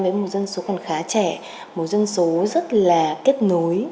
với một dân số còn khá trẻ một dân số rất là kết nối